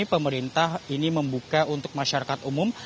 pemerintah ini membuka untuk masyarakat umum